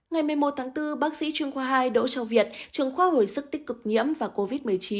ngày một mươi một tháng bốn bác sĩ chuyên khoa hai đỗ trọng việt trường khoa hồi sức tích cực nhiễm và covid một mươi chín